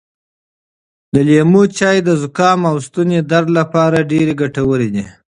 د لیمو چای د زکام او ستوني درد لپاره ډېر ګټور دی.